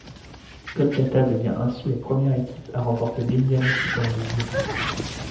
Kolkata devient ainsi la première équipe à remporter l'Indian Super League.